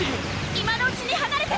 今のうちにはなれて！